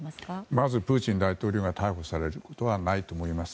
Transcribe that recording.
まずプーチン大統領が逮捕されることはないと思います。